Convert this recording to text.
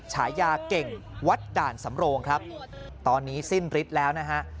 ฉายาเก่งวัดด่านสำโรงครับตอนนี้สิ้นฤทธิ์แล้วนะฮะ